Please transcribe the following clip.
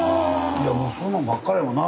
いやもうそんなんばっかりやもんな。